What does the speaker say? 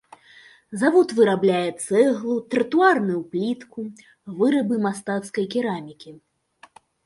Завод вырабляе цэглу, тратуарную плітку, вырабы мастацкай керамікі.